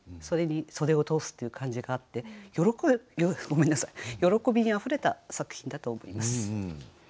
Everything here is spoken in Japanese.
それに袖を通すっていう感じがあって喜びにあふれた作品だと思います。